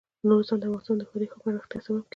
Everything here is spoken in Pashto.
نورستان د افغانستان د ښاري پراختیا سبب کېږي.